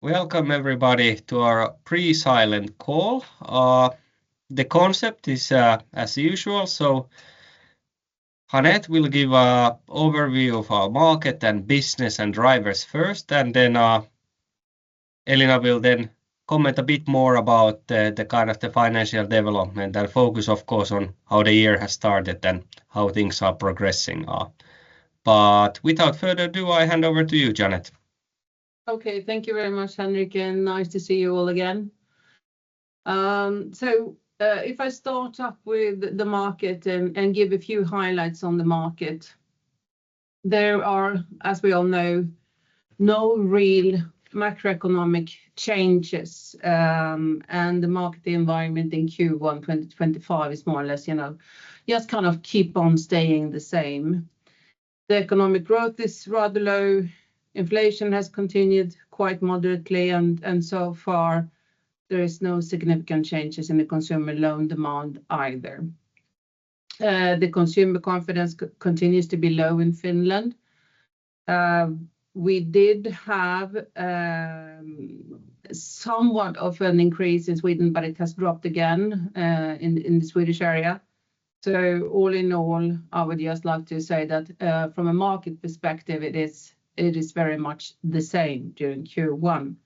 Welcome everybody to our pre-silent call. The concept is as usual, so Jeanette will give an overview of our market and business and drivers first, and then Elina will then comment a bit more about the kind of financial development and focus, of course, on how the year has started and how things are progressing. Without further ado, I hand over to you, Jeanette. Okay, thank you very much, Henrik, and nice to see you all again. If I start up with the market and give a few highlights on the market, there are, as we all know, no real macroeconomic changes, and the market environment in Q1 2025 is more or less, you know, just kind of keep on staying the same. The economic growth is rather low. Inflation has continued quite moderately, and so far there are no significant changes in the consumer loan demand either. The consumer confidence continues to be low in Finland. We did have somewhat of an increase in Sweden, but it has dropped again in the Swedish area. All in all, I would just like to say that from a market perspective, it is very much the same during Q1.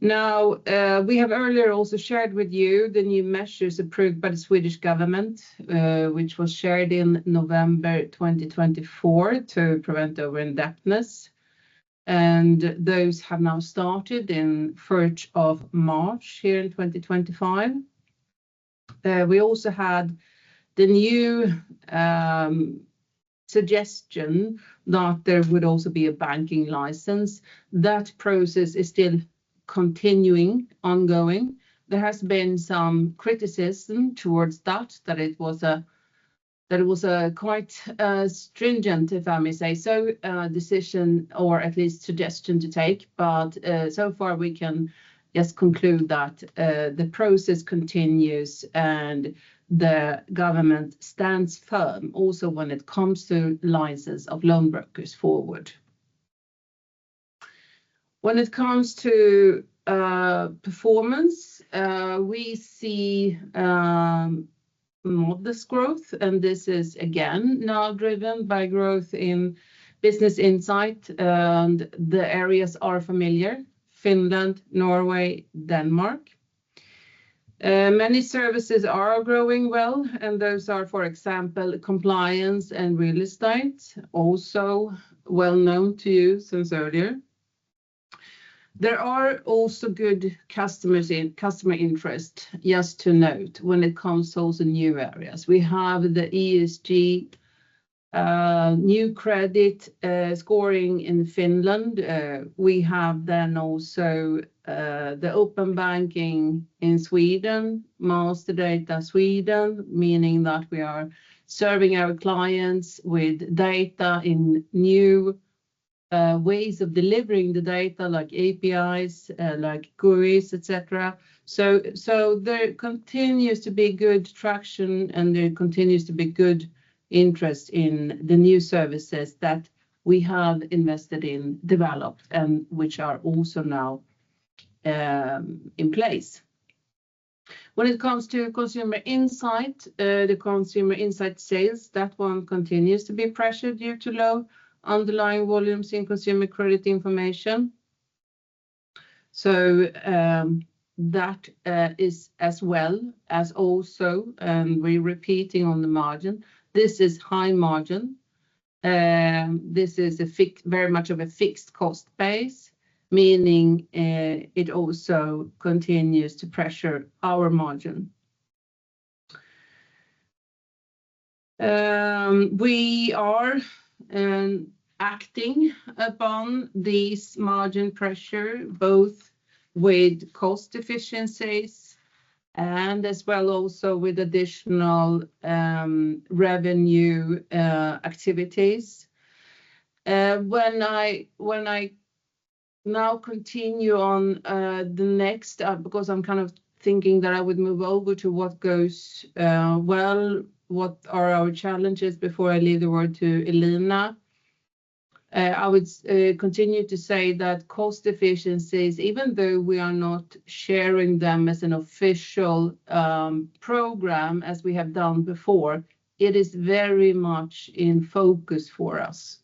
Now, we have earlier also shared with you the new measures approved by the Swedish government, which was shared in November 2024 to prevent overindebtedness, and those have now started in March here in 2025. We also had the new suggestion that there would also be a banking license. That process is still continuing, ongoing. There has been some criticism towards that, that it was a quite stringent, if I may say so, decision or at least suggestion to take, but so far we can just conclude that the process continues and the government stands firm also when it comes to license of loan brokers forward. When it comes to performance, we see modest growth, and this is again now driven by growth in Business Insight, and the areas are familiar: Finland, Norway, Denmark. Many services are growing well, and those are, for example, compliance and real estate, also well known to you since earlier. There are also good customer interests, just to note, when it comes to also new areas. We have the ESG new credit scoring in Finland. We have then also the open banking in Sweden, Master Data Sweden, meaning that we are serving our clients with data in new ways of delivering the data, like APIs, like queries, etc. There continues to be good traction, and there continues to be good interest in the new services that we have invested in, developed, and which are also now in place. When it comes to Consumer Insight, the Consumer Insight sales, that one continues to be pressured due to low underlying volumes in consumer credit information. That is as well as also, and we're repeating on the margin, this is high margin. This is very much of a fixed cost base, meaning it also continues to pressure our margin. We are acting upon this margin pressure both with cost efficiencies and as well also with additional revenue activities. When I now continue on the next, because I'm kind of thinking that I would move over to what goes well, what are our challenges before I leave the word to Elina. I would continue to say that cost efficiencies, even though we are not sharing them as an official program as we have done before, it is very much in focus for us,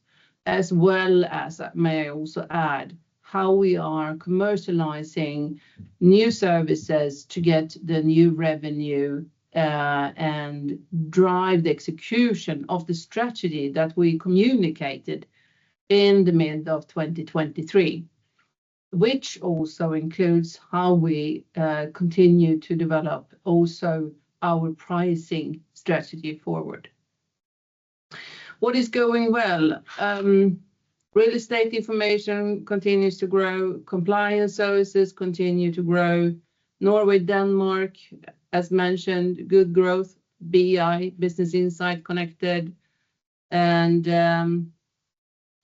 as well as, may I also add, how we are commercializing new services to get the new revenue and drive the execution of the strategy that we communicated in the middle of 2023, which also includes how we continue to develop also our pricing strategy forward. What is going well? Real estate information continues to grow. Compliance services continue to grow. Norway, Denmark, as mentioned, good growth, BI, Business Insight connected.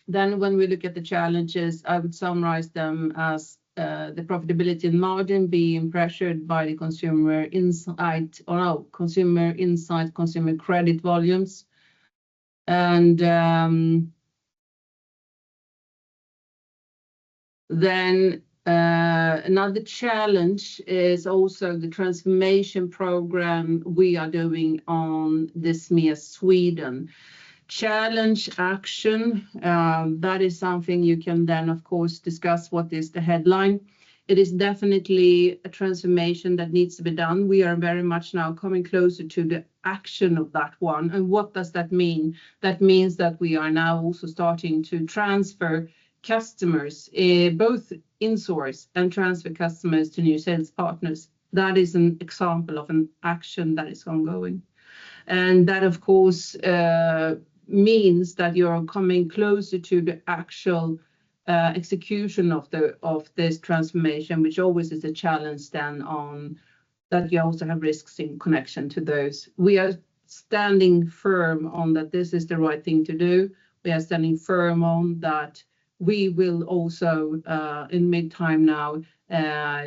When we look at the challenges, I would summarize them as the profitability and margin being pressured by the Consumer Insight or Consumer Insight, consumer credit volumes. Another challenge is also the transformation program we are doing on this Sweden challenge action. That is something you can then, of course, discuss what is the headline. It is definitely a transformation that needs to be done. We are very much now coming closer to the action of that one. What does that mean? That means that we are now also starting to transfer customers, both in-source and transfer customers to new sales partners. That is an example of an action that is ongoing. That, of course, means that you're coming closer to the actual execution of this transformation, which always is a challenge then on that you also have risks in connection to those. We are standing firm on that this is the right thing to do. We are standing firm on that we will also, in midterm now,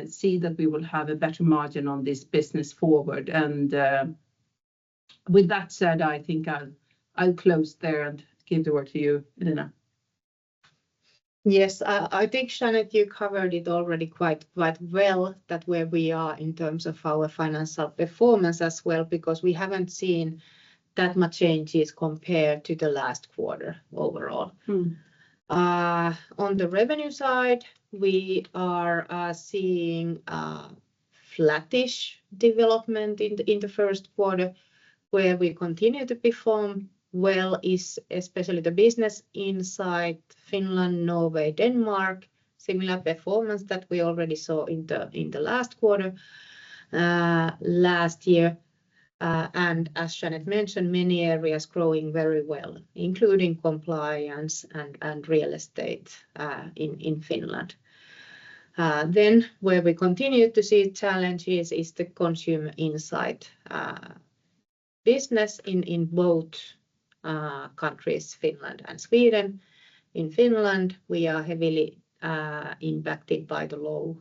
see that we will have a better margin on this business forward. With that said, I think I'll close there and give the word to you, Elina. Yes, I think, Jeanette, you covered it already quite well that where we are in terms of our financial performance as well, because we haven't seen that much changes compared to the last quarter overall. On the revenue side, we are seeing flattish development in the first quarter, where we continue to perform well is especially the Business Insight Finland, Norway, Denmark, similar performance that we already saw in the last quarter last year. As Jeanette mentioned, many areas growing very well, including compliance and real estate in Finland. Where we continue to see challenges is the Consumer Insight business in both countries, Finland and Sweden. In Finland, we are heavily impacted by the low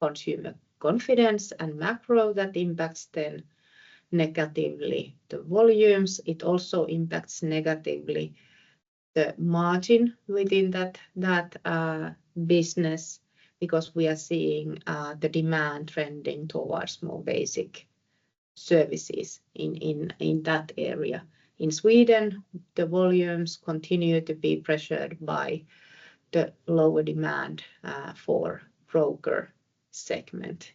consumer confidence and macro that impacts then negatively the volumes. It also impacts negatively the margin within that business because we are seeing the demand trending towards more basic services in that area. In Sweden, the volumes continue to be pressured by the lower demand for broker segment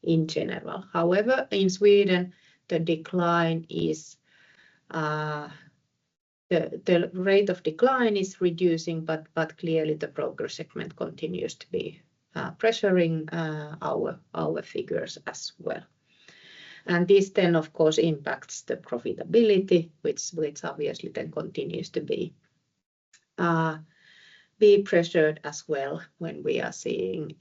in general. However, in Sweden, the rate of decline is reducing, but clearly the broker segment continues to be pressuring our figures as well. This then, of course, impacts the profitability, which obviously then continues to be pressured as well when we are seeing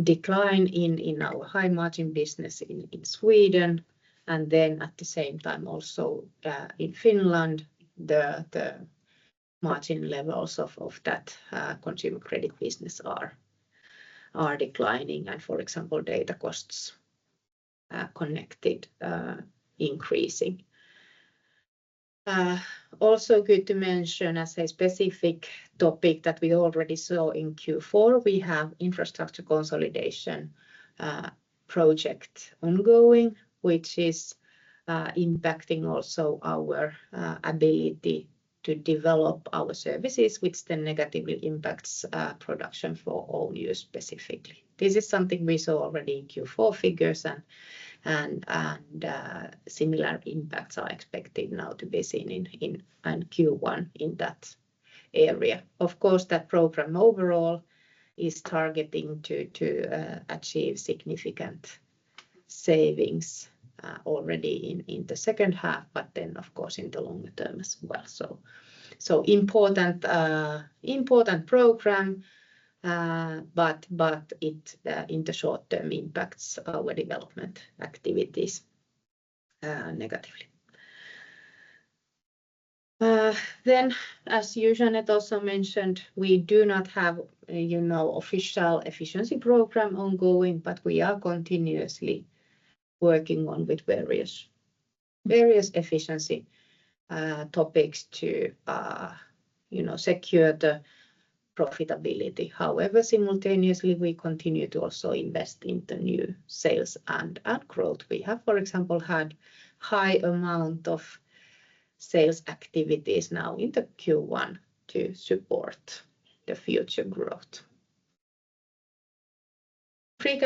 decline in our high margin business in Sweden. At the same time also in Finland, the margin levels of that consumer credit business are declining. For example, data costs connected are increasing. Also good to mention, as a specific topic that we already saw in Q4, we have infrastructure consolidation project ongoing, which is impacting also our ability to develop our services, which then negatively impacts production for own use specifically. This is something we saw already in Q4 figures, and similar impacts are expected now to be seen in Q1 in that area. Of course, that program overall is targeting to achieve significant savings already in the second half, but then of course in the longer term as well. Important program, but it in the short term impacts our development activities negatively. As you, Jeanette, also mentioned, we do not have an official efficiency program ongoing, but we are continuously working on with various efficiency topics to secure the profitability. However, simultaneously, we continue to also invest in the new sales and growth. We have, for example, had a high amount of sales activities now in the Q1 to support the future growth. Free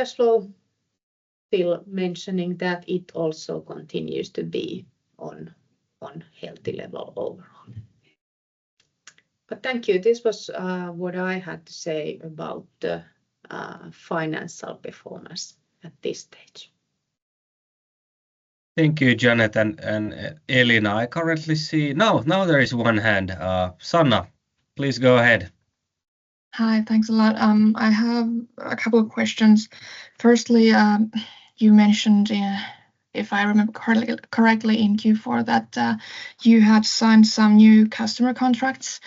cash flow, still mentioning that it also continues to be on healthy level overall. Thank you. This was what I had to say about the financial performance at this stage. Thank you, Jeanette and Elina. I currently see now there is one hand. Sanna, please go ahead. Hi, thanks a lot. I have a couple of questions. Firstly, you mentioned, if I remember correctly in Q4, that you had signed some new customer contracts.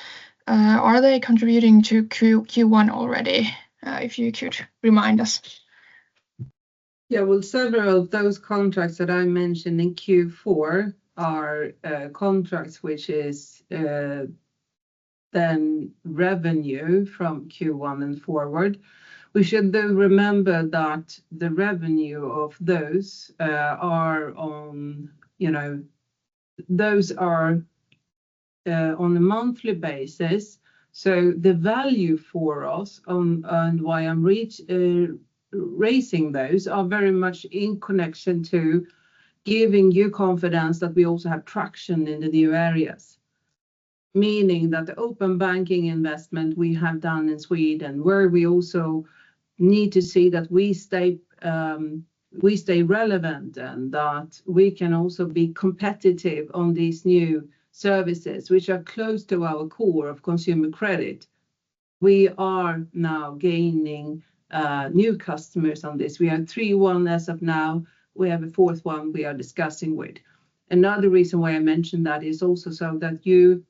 Are they contributing to Q1 already? If you could remind us. Yeah, several of those contracts that I mentioned in Q4 are contracts which is then revenue from Q1 and forward. We should remember that the revenue of those are on a monthly basis. The value for us and why I'm raising those are very much in connection to giving you confidence that we also have traction in the new areas. Meaning that the open banking investment we have done in Sweden where we also need to see that we stay relevant and that we can also be competitive on these new services which are close to our core of consumer credit. We are now gaining new customers on this. We have three ones as of now. We have a fourth one we are discussing with. Another reason why I mentioned that is also so that you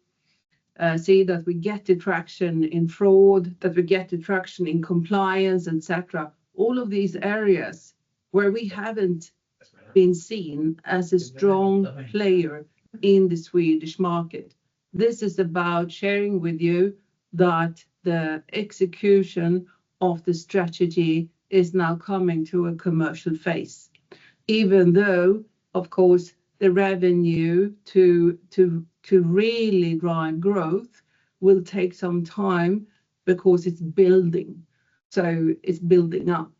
see that we get the traction in fraud, that we get the traction in compliance, etc. All of these areas where we haven't been seen as a strong player in the Swedish market. This is about sharing with you that the execution of the strategy is now coming to a commercial phase. Even though, of course, the revenue to really drive growth will take some time because it's building. It's building up.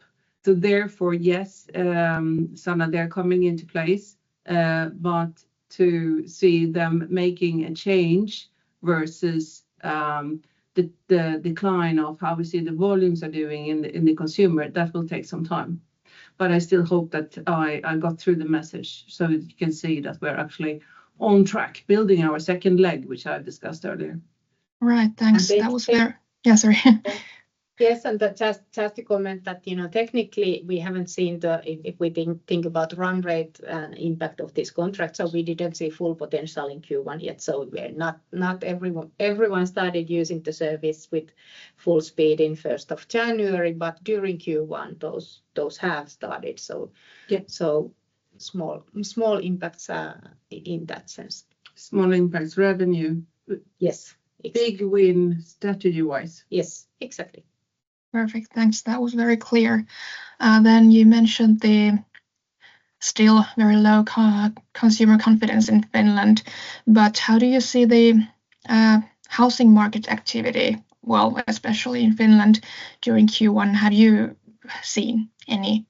Therefore, yes, Sanna, they're coming into place, but to see them making a change versus the decline of how we see the volumes are doing in the consumer, that will take some time. I still hope that I got through the message so you can see that we're actually on track building our second leg, which I've discussed earlier. Right, thanks. That was clear. Yeah, sorry. Yes, and just to comment that technically we haven't seen the, if we think about run rate impact of this contract. We didn't see full potential in Q1 yet. Not everyone started using the service with full speed in first of January, but during Q1 those have started. Small impacts in that sense. Small impacts, revenue. Yes. Big win strategy-wise. Yes, exactly. Perfect. Thanks. That was very clear. You mentioned the still very low consumer confidence in Finland, but how do you see the housing market activity, especially in Finland during Q1? Have you seen any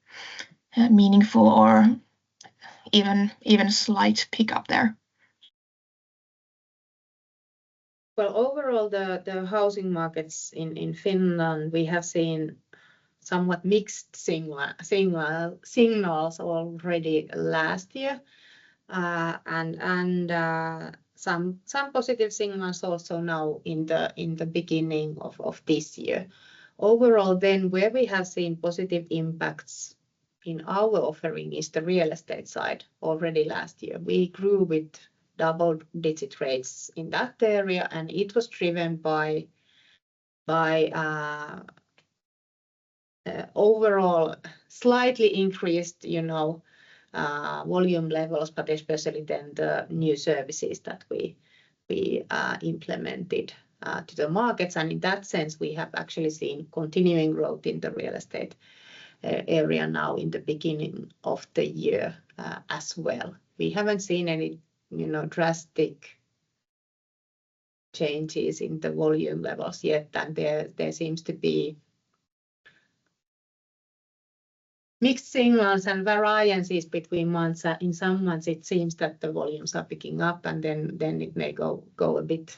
meaningful or even slight pickup there? Overall, the housing markets in Finland, we have seen somewhat mixed signals already last year and some positive signals also now in the beginning of this year. Overall, where we have seen positive impacts in our offering is the real estate side already last year. We grew with double-digit rates in that area, and it was driven by overall slightly increased volume levels, but especially the new services that we implemented to the markets. In that sense, we have actually seen continuing growth in the real estate area now in the beginning of the year as well. We have not seen any drastic changes in the volume levels yet, and there seem to be mixed signals and variances between months. In some months, it seems that the volumes are picking up, and then it may go a bit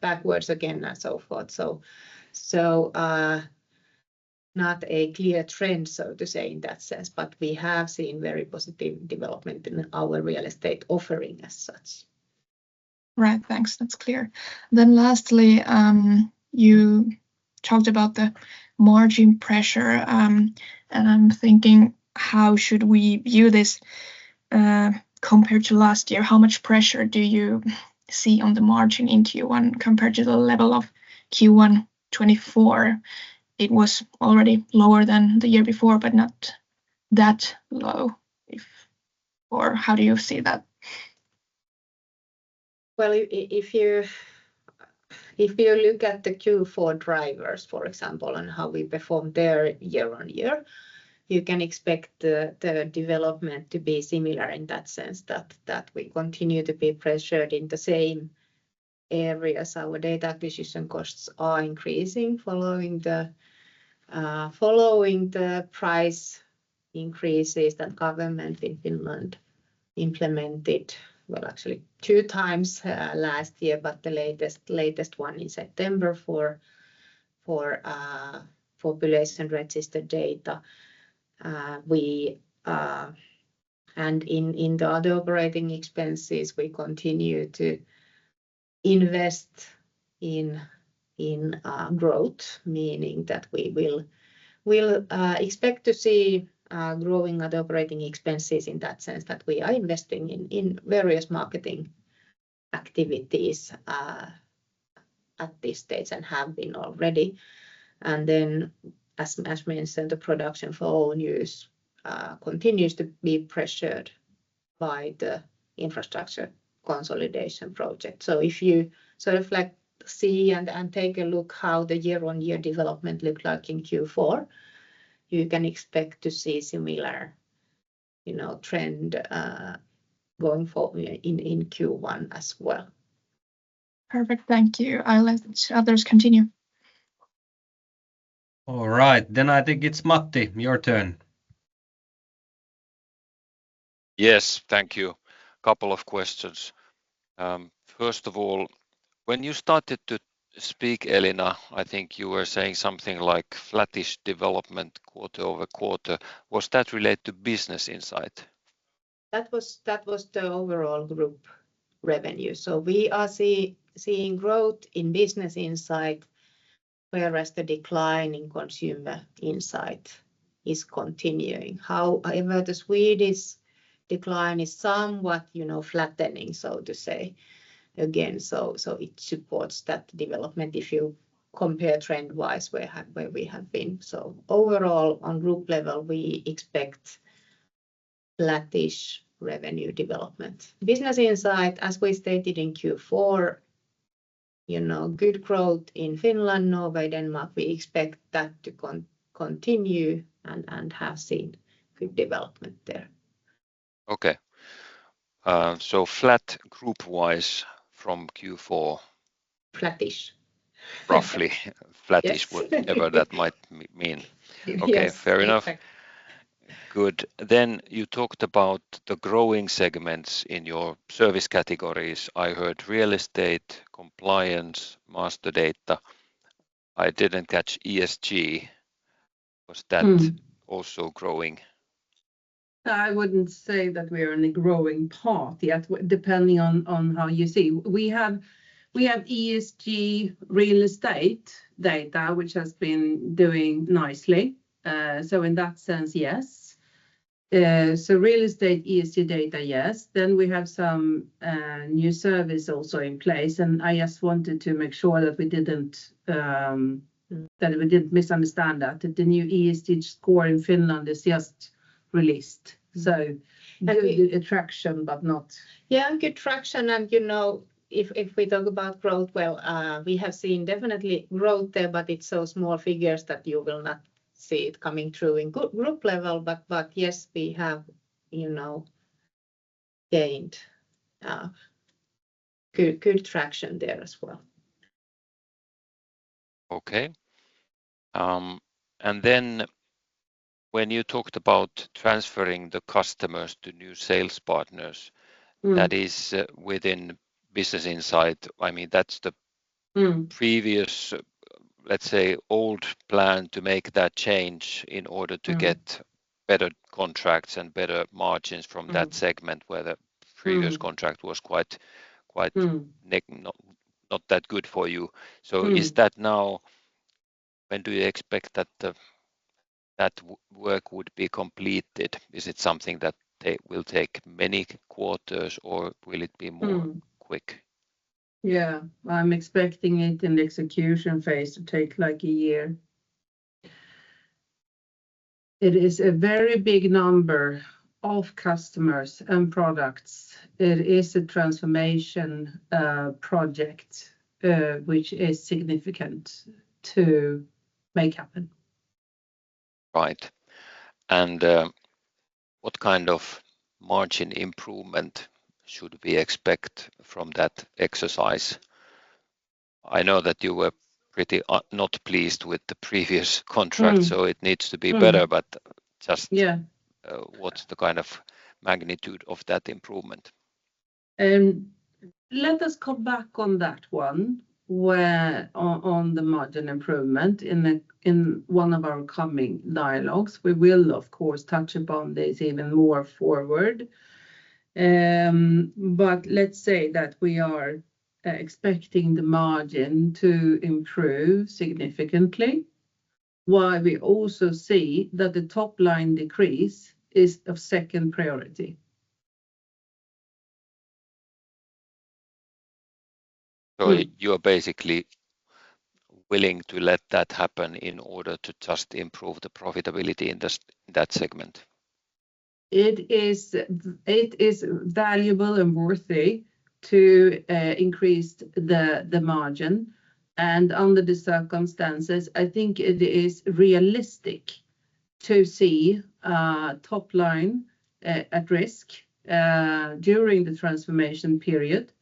backwards again and so forth. Not a clear trend, so to say, in that sense, but we have seen very positive development in our real estate offering as such. Right, thanks. That's clear. Lastly, you talked about the margin pressure, and I'm thinking how should we view this compared to last year? How much pressure do you see on the margin in Q1 compared to the level of Q1 2024? It was already lower than the year before, but not that low. How do you see that? If you look at the Q4 drivers, for example, and how we performed there year on year, you can expect the development to be similar in that sense, that we continue to be pressured in the same areas. Our data acquisition costs are increasing following the price increases that government in Finland implemented. Actually, two times last year, but the latest one in September for population register data. In the other operating expenses, we continue to invest in growth, meaning that we will expect to see growing other operating expenses in that sense that we are investing in various marketing activities at this stage and have been already. As mentioned, the production for own use continues to be pressured by the infrastructure consolidation project. If you sort of see and take a look at how the year-on-year development looked like in Q4, you can expect to see a similar trend going forward in Q1 as well. Perfect. Thank you. I'll let others continue. All right. I think it's Matti, your turn. Yes, thank you. A couple of questions. First of all, when you started to speak, Elina, I think you were saying something like flattish development quarter over quarter. Was that related to Business Insight? That was the overall group revenue. We are seeing growth in Business Insight, whereas the decline in Consumer Insight is continuing. However, the Swedish decline is somewhat flattening, so to say, again. It supports that development if you compare trend-wise where we have been. Overall, on group level, we expect flattish revenue development. Business Insight, as we stated in Q4, good growth in Finland, Norway, Denmark. We expect that to continue and have seen good development there. Okay. Flat group-wise from Q4. Flattish. Roughly. Flattish, whatever that might mean. Okay, fair enough. Good. Then you talked about the growing segments in your service categories. I heard real estate, compliance, master data. I did not catch ESG. Was that also growing? I wouldn't say that we are in a growing path yet, depending on how you see. We have ESG real estate data, which has been doing nicely. In that sense, yes. Real estate ESG data, yes. We have some new service also in place. I just wanted to make sure that we didn't misunderstand that. The new ESG score in Finland is just released. Good traction, but not. Yeah, good traction. If we talk about growth, we have seen definitely growth there, but it's so small figures that you will not see it coming through in group level. Yes, we have gained good traction there as well. Okay. When you talked about transferring the customers to new sales partners, that is within Business Insight. I mean, that is the previous, let's say, old plan to make that change in order to get better contracts and better margins from that segment, where the previous contract was quite not that good for you. Is that now when do you expect that that work would be completed? Is it something that will take many quarters, or will it be more quick? Yeah. I'm expecting it in the execution phase to take like a year. It is a very big number of customers and products. It is a transformation project which is significant to make happen. Right. What kind of margin improvement should we expect from that exercise? I know that you were pretty not pleased with the previous contract, so it needs to be better, but just what is the kind of magnitude of that improvement? Let us come back on that one on the margin improvement in one of our coming dialogues. We will, of course, touch upon this even more forward. Let's say that we are expecting the margin to improve significantly, while we also see that the top line decrease is of second priority. You are basically willing to let that happen in order to just improve the profitability in that segment? It is valuable and worthy to increase the margin. Under the circumstances, I think it is realistic to see top line at risk during the transformation period.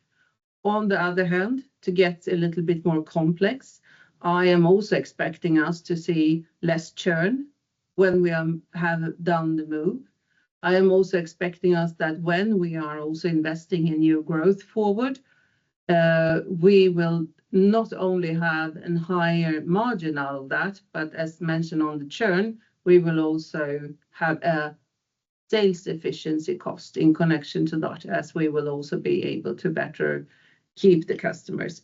On the other hand, to get a little bit more complex, I am also expecting us to see less churn when we have done the move. I am also expecting us that when we are also investing in new growth forward, we will not only have a higher margin out of that, but as mentioned on the churn, we will also have a sales efficiency cost in connection to that, as we will also be able to better keep the customers.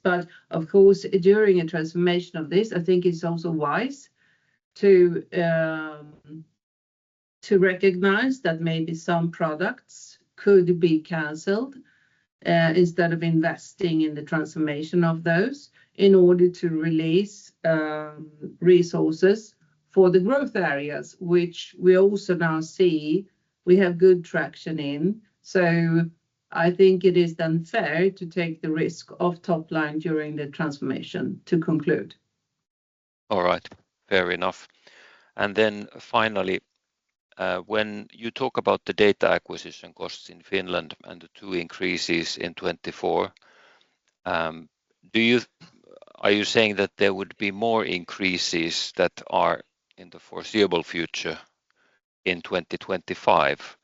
Of course, during a transformation of this, I think it's also wise to recognize that maybe some products could be canceled instead of investing in the transformation of those in order to release resources for the growth areas, which we also now see we have good traction in. I think it is unfair to take the risk of top line during the transformation to conclude. All right. Fair enough. Finally, when you talk about the data acquisition costs in Finland and the two increases in 2024, are you saying that there would be more increases that are in the foreseeable future in 2025?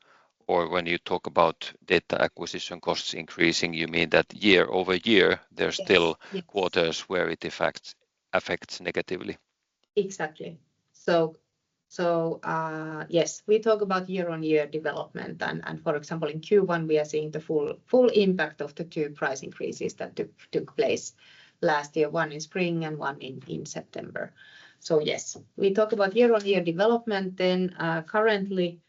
When you talk about data acquisition costs increasing, you mean that year over year, there are still quarters where it affects negatively? Exactly. Yes, we talk about year-on-year development. For example, in Q1, we are seeing the full impact of the two price increases that took place last year, one in spring and one in September. Yes, we talk about year-on-year development. Currently,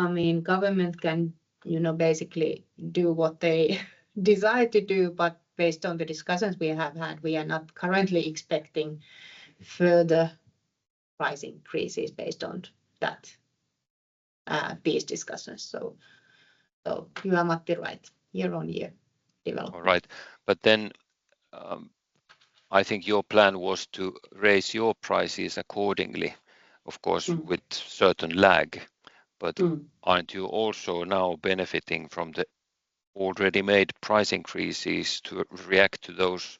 I mean, government can basically do what they decide to do, but based on the discussions we have had, we are not currently expecting further price increases based on these discussions. You are right, year-on-year development. All right. I think your plan was to raise your prices accordingly, of course, with certain lag. But are you not also now benefiting from the already made price increases to react to those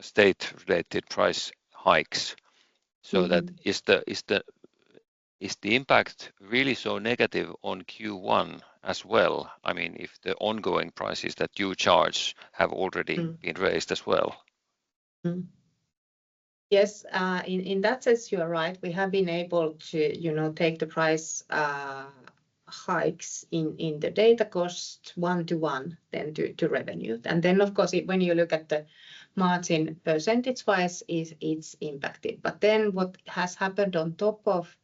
state-related price hikes? Is the impact really so negative on Q1 as well? I mean, if the ongoing prices that you charge have already been raised as well. Yes. In that sense, you are right. We have been able to take the price hikes in the data cost one to one then to revenue. Of course, when you look at the margin percentage-wise, it is impacted. What has happened on top of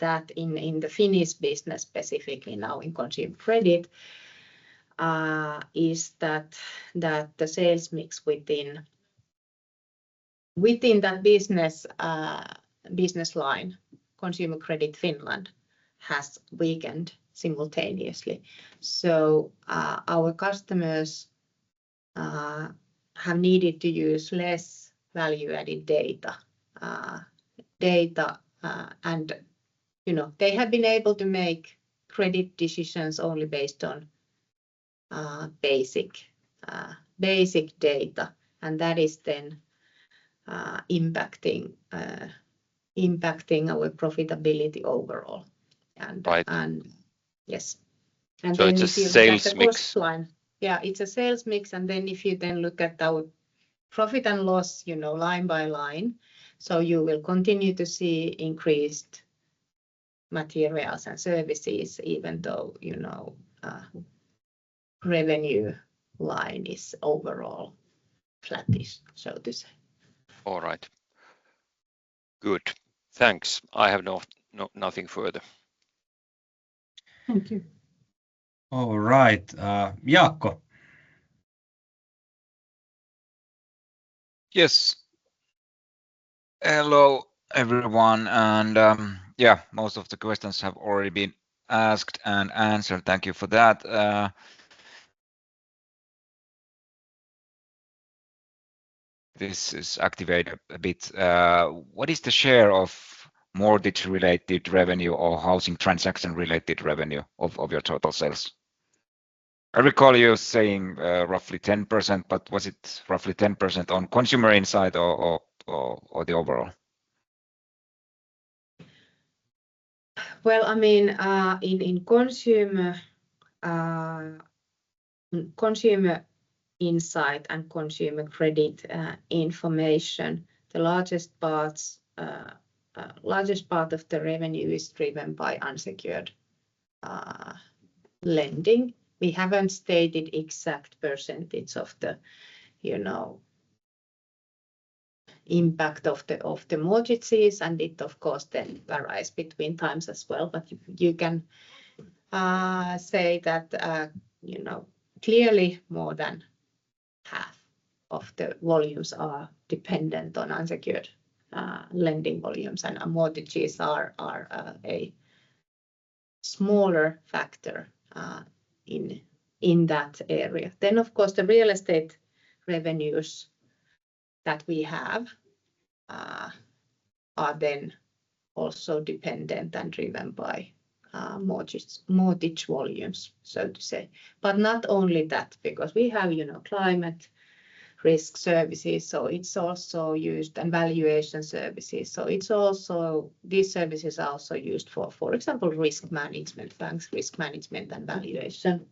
that in the Finnish business specifically now in consumer credit is that the sales mix within that business line, consumer credit Finland, has weakened simultaneously. Our customers have needed to use less value-added data. They have been able to make credit decisions only based on basic data. That is then impacting our profitability overall. Yes. It is a sales mix. Yeah, it's a sales mix. If you then look at our profit and loss line by line, you will continue to see increased materials and services, even though revenue line is overall flattish, so to say. All right. Good. Thanks. I have nothing further. Thank you. All right. Jaakko. Yes. Hello everyone. Most of the questions have already been asked and answered. Thank you for that. This is activated a bit. What is the share of mortgage-related revenue or housing transaction-related revenue of your total sales? I recall you saying roughly 10%, but was it roughly 10% on consumer insight or the overall? I mean, in Consumer Insight and consumer credit information, the largest part of the revenue is driven by unsecured lending. We have not stated exact percentage of the impact of the mortgages. It, of course, then varies between times as well. You can say that clearly more than half of the volumes are dependent on unsecured lending volumes. Mortgages are a smaller factor in that area. Of course, the real estate revenues that we have are then also dependent and driven by mortgage volumes, so to say. Not only that, because we have climate risk services, so it is also used, and valuation services. These services are also used for, for example, risk management, bank risk management and valuation,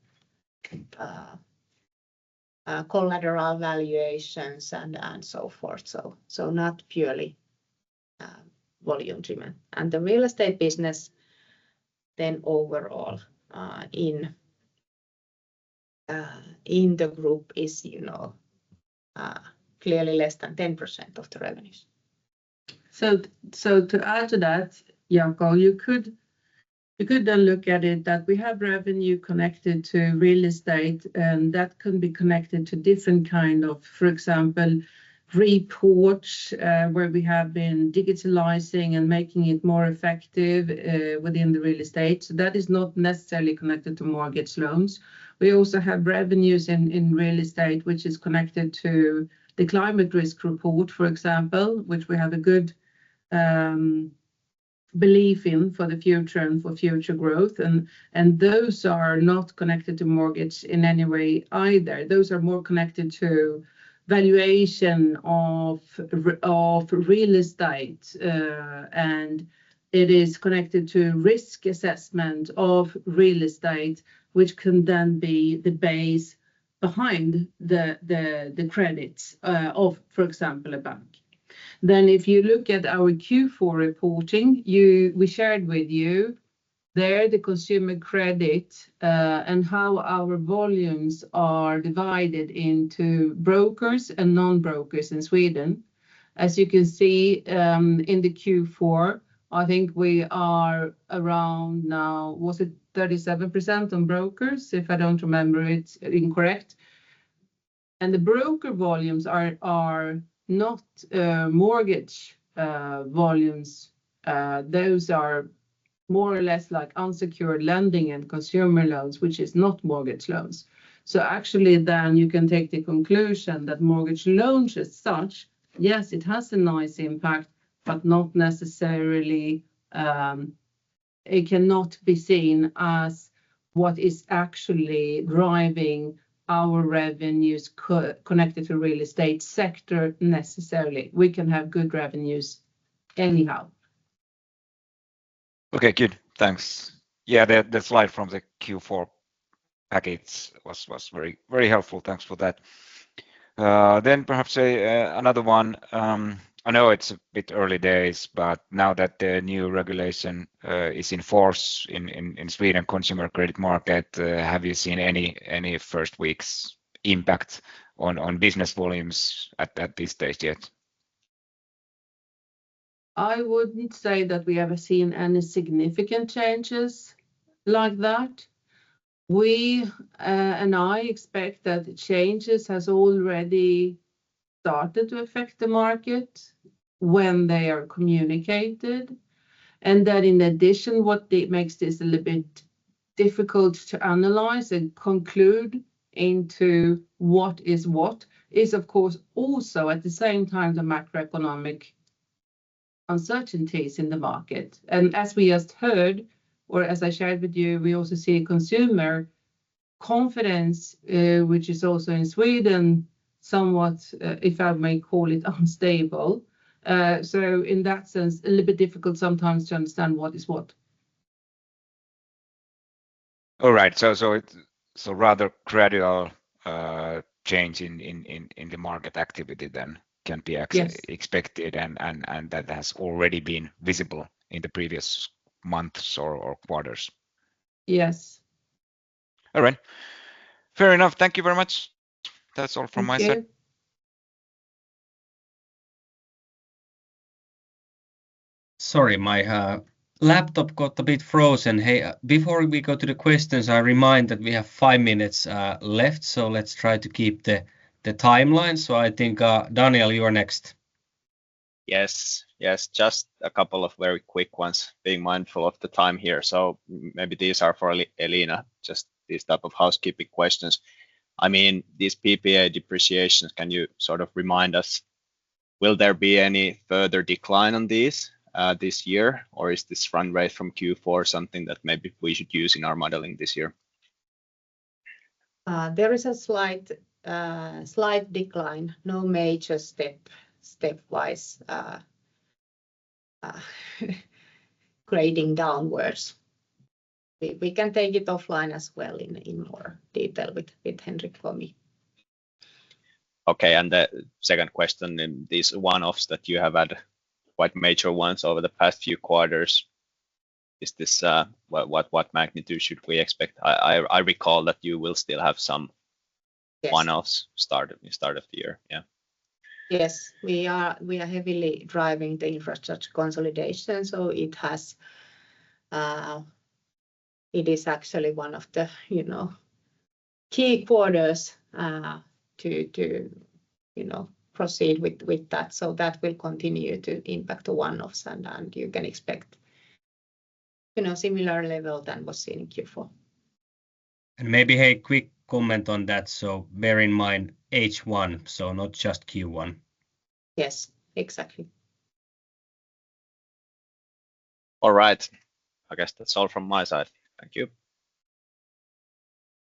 collateral valuations, and so forth. Not purely volume-driven. The real estate business then overall in the group is clearly less than 10% of the revenues. To add to that, Jaakko, you could then look at it that we have revenue connected to real estate, and that can be connected to different kinds of, for example, reports where we have been digitalizing and making it more effective within the real estate. That is not necessarily connected to mortgage loans. We also have revenues in real estate, which is connected to the climate risk report, for example, which we have a good belief in for the future and for future growth. Those are not connected to mortgage in any way either. Those are more connected to valuation of real estate. It is connected to risk assessment of real estate, which can then be the base behind the credits of, for example, a bank. If you look at our Q4 reporting, we shared with you there the consumer credit and how our volumes are divided into brokers and non-brokers in Sweden. As you can see in the Q4, I think we are around now, was it 37% on brokers? If I do not remember, it is incorrect. The broker volumes are not mortgage volumes. Those are more or less like unsecured lending and consumer loans, which is not mortgage loans. Actually, you can take the conclusion that mortgage loans as such, yes, it has a nice impact, but not necessarily it cannot be seen as what is actually driving our revenues connected to real estate sector necessarily. We can have good revenues anyhow. Okay, good. Thanks. Yeah, the slide from the Q4 package was very helpful. Thanks for that. Perhaps another one. I know it's a bit early days, but now that the new regulation is in force in Sweden, consumer credit market, have you seen any first weeks' impact on business volumes at this stage yet? I wouldn't say that we have seen any significant changes like that. We and I expect that changes have already started to affect the market when they are communicated. In addition, what makes this a little bit difficult to analyze and conclude into what is what is, of course, also at the same time the macroeconomic uncertainties in the market. As we just heard, or as I shared with you, we also see consumer confidence, which is also in Sweden somewhat, if I may call it, unstable. In that sense, a little bit difficult sometimes to understand what is what. All right. Rather gradual change in the market activity then can be expected, and that has already been visible in the previous months or quarters. Yes. All right. Fair enough. Thank you very much. That's all from my side. Sorry, my laptop got a bit frozen. Before we go to the questions, I remind that we have five minutes left. Let's try to keep the timeline. I think, Daniel, you are next. Yes. Yes. Just a couple of very quick ones, being mindful of the time here. Maybe these are for Elina, just these type of housekeeping questions. I mean, these PPA depreciations, can you sort of remind us, will there be any further decline on these this year? Or is this run rate from Q4 something that maybe we should use in our modeling this year? There is a slight decline, no major stepwise grading downwards. We can take it offline as well in more detail with Henrik. Okay. The second question in these one-offs that you have had, quite major ones over the past few quarters, is this what magnitude should we expect? I recall that you will still have some one-offs started in the start of the year. Yeah. Yes. We are heavily driving the infrastructure consolidation. It is actually one of the key quarters to proceed with that. That will continue to impact the one-offs. You can expect similar level than was seen in Q4. Maybe a quick comment on that. Bear in mind H1, not just Q1. Yes. Exactly. All right. I guess that's all from my side. Thank you.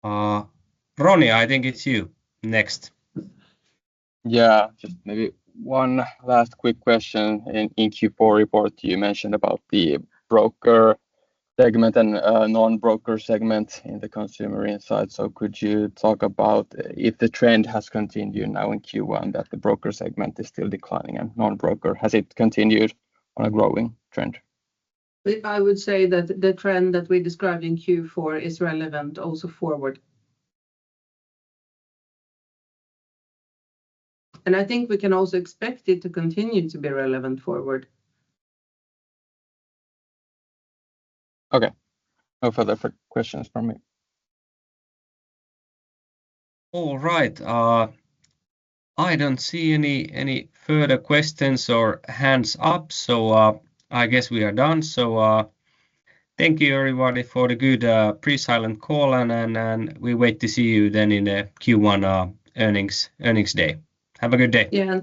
Roni, I think it's you next. Yeah. Just maybe one last quick question. In Q4 report, you mentioned about the broker segment and non-broker segment in the Consumer Insight. Could you talk about if the trend has continued now in Q1 that the broker segment is still declining and non-broker, has it continued on a growing trend? I would say that the trend that we described in Q4 is relevant also forward. I think we can also expect it to continue to be relevant forward. Okay. No further questions from me. All right. I do not see any further questions or hands up. I guess we are done. Thank you, everybody, for the good pre-silent call. We wait to see you then in the Q1 earnings day. Have a good day. Yeah.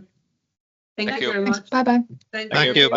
Thank you very much. Thank you. Bye-bye. Thank you.